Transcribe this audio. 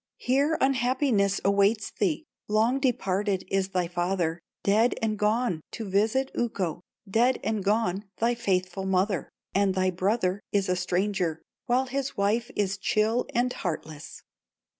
Here unhappiness awaits thee, Long departed is thy father, Dead and gone to visit Ukko, Dead and gone thy faithful mother, And thy brother is a stranger, While his wife is chill and heartless!